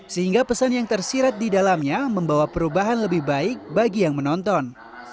sehingga pesan yang tersirat di dalamnya membawa perubahan lebih baik bagi yang menonton